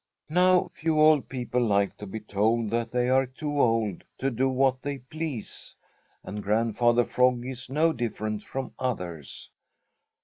Now few old people like to be told that they are too old to do what they please, and Grandfather Frog is no different from others.